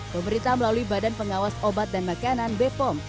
pemerintah melalui badan pengawas obat dan makanan bepom